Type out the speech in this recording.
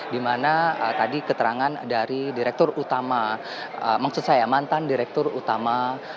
dimana tadi keterangan dari direktur utama maksud saya mantan direktur utama